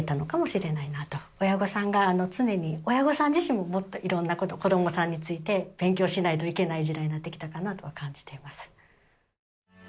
親御さんが常に親御さん自身ももっといろんなこと子どもさんについて勉強しないといけない時代になってきたかなとは感じています。